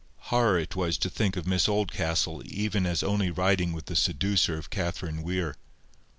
Horror it was to think of Miss Oldcastle even as only riding with the seducer of Catherine Weir.